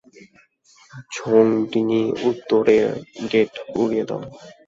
ঝোং ডিঙ্গি, উত্তরের গেট উড়িয়ে দাও।